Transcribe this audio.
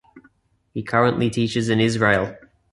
He currently teaches in Israel.